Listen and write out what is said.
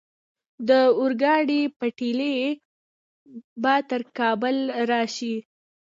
د اورګاډي پټلۍ به تر کابل راشي؟